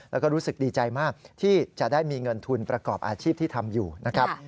แล้วก็รู้สึกดีใจมากที่จะได้มีเงินทุนประกอบอาชีพที่ทำอยู่นะครับ